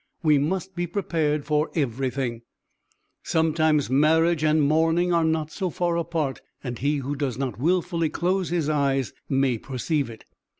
We must be prepared for everything. Sometimes marriage and mourning are not so far apart; and he who does not wilfully close his eyes may perceive it."